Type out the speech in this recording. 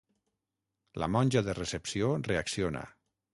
La monja de recepció reacciona.